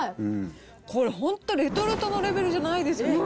これ、本当、レトルトのレベルじゃないですよ。